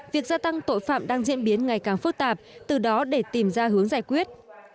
việc gia tăng tội phạm đang diễn biến ngày càng phức tạp từ đó để tìm ra hướng giải quyết